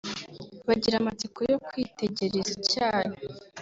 bagira amatsiko yo kwitegereza icyayi